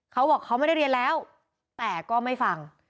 เขาบอกเขาไม่ได้เรียนแล้วแต่ก็ไม่ฟัง